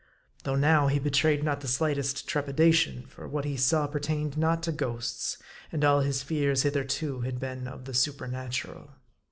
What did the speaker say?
Though now he betrayed not the slightest trepidation ; for what he saw pertained not to ghosts ; and all his fears hitherto had been of the super natural.